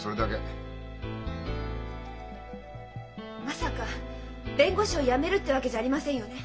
まさか弁護士をやめるってわけじゃありませんよね？